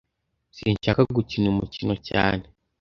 Sinshaka gukina uyu mukino cyane